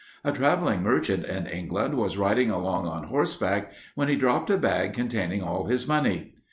A traveling merchant in England was riding along on horseback, when he dropped a bag containing all his money.